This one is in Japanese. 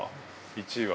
１位は。